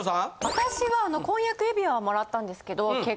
私はあの婚約指輪はもらったんですけど。